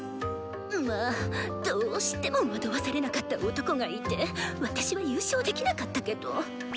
まぁどうしても惑わされなかった男がいて私は優勝できなかったけど。